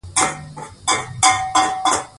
په خپلوي یې عالمونه نازېدله